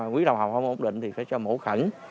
quý đồng học không ổn định thì phải cho mổ khẩn